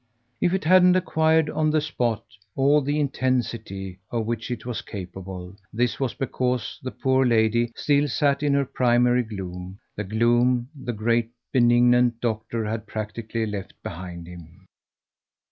If it hadn't acquired on the spot all the intensity of which it was capable, this was because the poor lady still sat in her primary gloom, the gloom the great benignant doctor had practically left behind him.